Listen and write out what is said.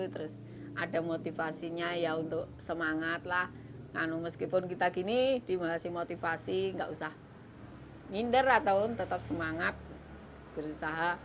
terus ada motivasinya ya untuk semangat lah karena meskipun kita gini dimulai dari motivasi gak usah minder atau tetap semangat berusaha mencari uang